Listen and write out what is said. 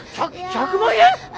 ひゃ１００万円！？